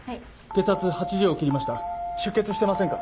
血圧８０を切りました出血してませんか？